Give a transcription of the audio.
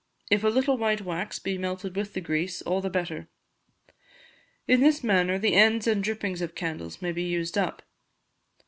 If a little white wax be melted with the grease, all the better. In this manner, the ends and drippings of candles may be used up.